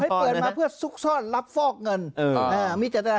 เปิดมาเพื่อซุกซ่อนรับฟอกเงิน